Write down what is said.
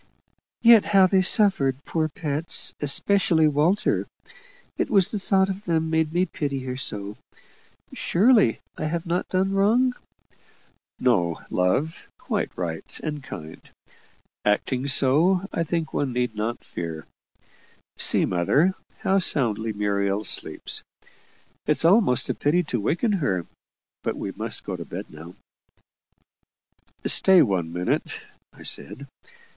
"Yet how they suffered, poor pets! especially Walter. It was the thought of them made me pity her so. Surely I have not done wrong?" "No love; quite right and kind. Acting so, I think one need not fear. See, mother, how soundly Muriel sleeps. It's almost a pity to waken her but we must go to bed now." "Stay one minute," I said.